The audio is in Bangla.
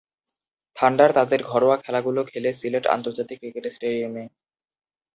থান্ডার তাদের ঘরোয়া খেলাগুলো খেলে সিলেট আন্তর্জাতিক ক্রিকেট স্টেডিয়ামে।